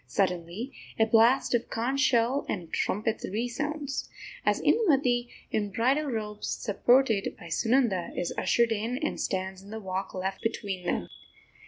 Suddenly a blast of conch shell and trumpet resounds, as Indumati, in bridal robes, supported by Sunanda, is ushered in and stands in the walk left between them.